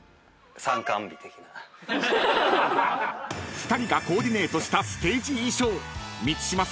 ［２人がコーディネートしたステージ衣装］